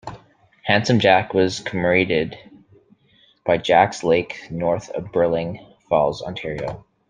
Handsome Jack was commemorated by Jack's Lake north of Burleigh Falls, Ontario.